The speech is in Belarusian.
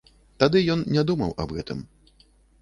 Тады ён не думаў аб гэтым.